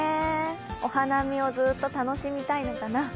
お花見をずーっと楽しみたいのかな。